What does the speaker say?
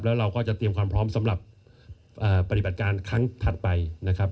แล้วเราก็จะเตรียมความพร้อมสำหรับปฏิบัติการครั้งถัดไปนะครับ